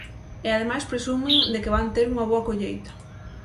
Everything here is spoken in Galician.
E ademais presumen de que van ter unha boa colleita.